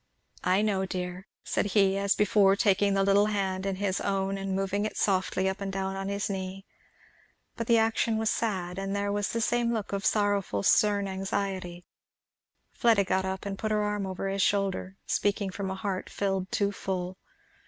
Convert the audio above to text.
"I know, dear!" said he, as before taking the little hand in his own and moving it softly up and down on his knee. But the action was sad, and there was the same look of sorrowful stern anxiety. Fleda got up and put her arm over his shoulder, speaking from a heart filled too full.